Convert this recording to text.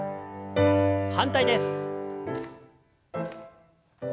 反対です。